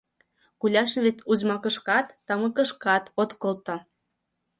Гуляшым вет узьмакышкат, тамыкышкат от колто.